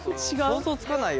想像つかないよね。